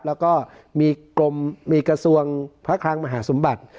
แล้วก็มีกรมมีกระทรวงพระคลังมหาสมบัติ